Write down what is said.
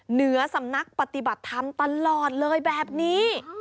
เหนือสำนักปฏิบัติธรรมตลอดเลยแบบนี้